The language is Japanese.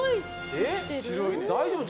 大丈夫？